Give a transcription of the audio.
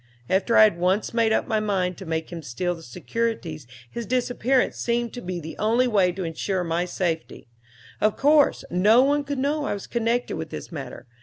After I had once made up my mind to make him steal the securities his disappearance seemed to be the only way to insure my safety. Of course no one could know I was connected with this matter.